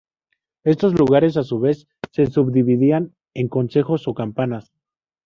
Estos lugares a su vez se subdividían en concejos o campanas.